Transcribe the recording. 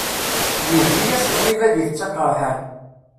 Yugi-yas ṭṭbib ad itett aqerḥan.